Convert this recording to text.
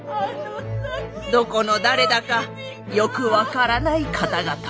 どこの誰だかよく分からない方々。